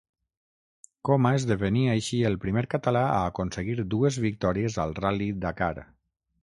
Coma esdevenia així el primer català a aconseguir dues victòries al Ral·li Dakar.